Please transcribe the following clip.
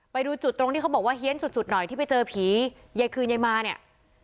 ไปดูจุดตรงที่เขาบอกว่าเฮียนสุดหน่อยที่ไปเจอผียายคืนยายมาเนี่ย